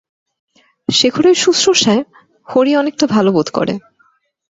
শেখরের সুশ্রষায় হরি অনেকটা ভালো বোধ করে।